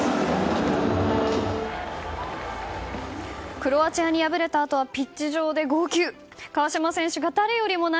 クロアチアに敗れたあとはピッチ上で号泣。